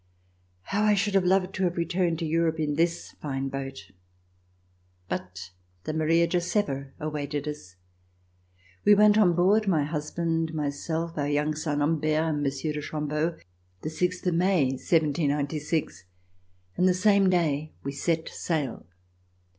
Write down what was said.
How I should have loved to have returned to Europe in this fine boat. But the " Maria Josepha " awaited us. We went on board, my husband, myself, our young son, Humbert, and Monsieur de Chambeau, the sixth of May, 1796, and the same day we set sail.